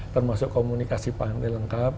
termasuk komunikasi pantai lengkap